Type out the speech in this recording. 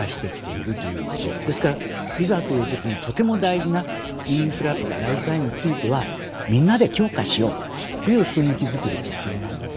ですからいざという時にとても大事なインフラとかライフラインについてはみんなで強化しようという雰囲気作りが必要なんだと思います。